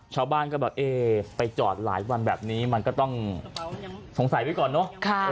ชาวบ้านก็แบบเอ๊ไปจอดหลายวันแบบนี้มันก็ต้องสงสัยไว้ก่อนเนอะ